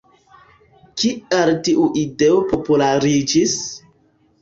Kial tiu ideo populariĝis?